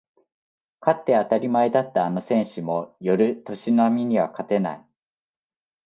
勝って当たり前だったあの選手も寄る年波には勝てない